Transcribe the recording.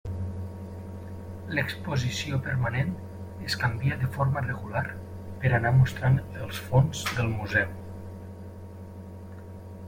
L'exposició permanent es canvia de forma regular per anar mostrant els fons del museu.